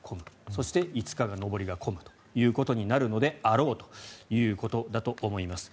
そして５日は上りが混むということになろうということだと思います。